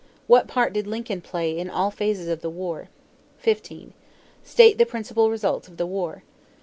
What part did Lincoln play in all phases of the war? 15. State the principal results of the war.